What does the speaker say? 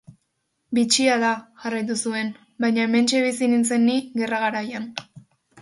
Bitxia da, jarraitu zuen, baina hementxe bizi nintzen ni gerra garaian.